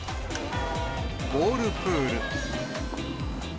ボールプール。